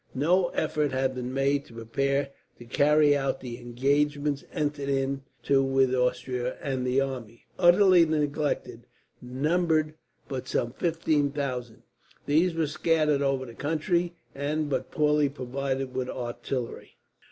No effort had been made to prepare to carry out the engagements entered into with Austria; and the army, utterly neglected, numbered but some fifteen thousand. These were scattered over the country, and but poorly provided with artillery.